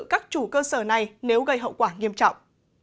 các chủ cơ sở này nếu gây hậu quả nghiêm trọng